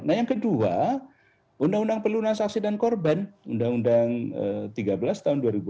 nah yang kedua undang undang pelunas aksi dan korban undang undang tiga belas tahun dua ribu enam